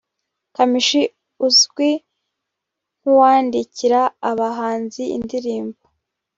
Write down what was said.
Kamichi uzwi nk’uwandikira aba bahanzi indirimbo